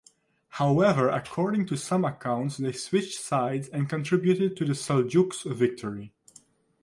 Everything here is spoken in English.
However according to some accounts they switched sides and contributed to the Seljuks victory.